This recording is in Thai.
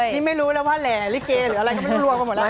นี่ไม่รู้แล้วว่าแหละหรือเก๊หรืออะไรก็ไม่ต้องลวงกันหมดแล้ว